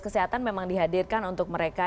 kesehatan memang dihadirkan untuk mereka